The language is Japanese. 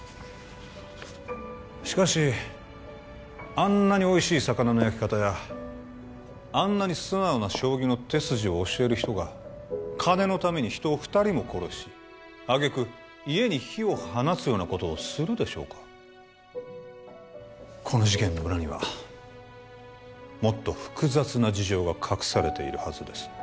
しかしあんなにおいしい魚の焼き方やあんなに素直な将棋の手筋を教える人が金のために人を二人も殺しあげく家に火を放つようなことをするでしょうかこの事件の裏にはもっと複雑な事情が隠されているはずです